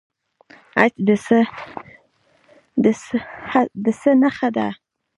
حج د څه نښه ده؟